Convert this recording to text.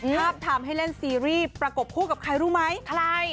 ทำให้เล่นซีรีส์ประกบคู่กับใครรู้ไหมใคร